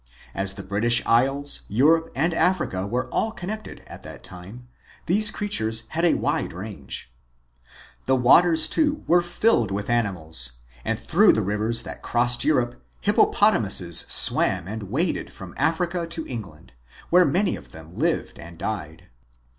As the British Isles, Europe, and Africa were all connected at that time, these creatures had a wide range. The waters, too, were filled with animals, and through the rivers that crossed Europe hippo potamuses swam and waded from Africa to England, where many of them lived and died.